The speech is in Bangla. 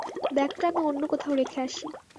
ব্যাগটা আমি অন্য কোথাও রেখে আসি।